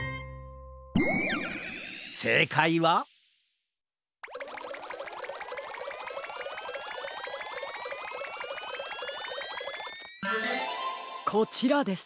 せいかいはこちらです。